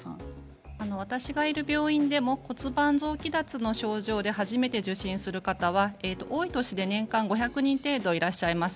私がいる病院でも骨盤臓器脱の症状で初めて受診する方は多い年で年間５００人程度いらっしゃいます。